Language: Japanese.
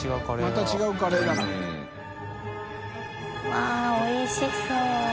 あっおいしそう。